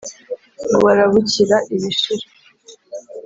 ngo barabukira ibishira